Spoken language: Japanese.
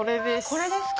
これですか？